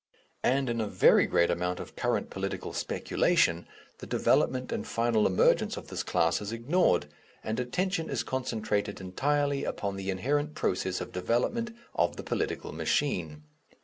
And in a very great amount of current political speculation, the development and final emergence of this class is ignored, and attention is concentrated entirely upon the inherent process of development of the political machine.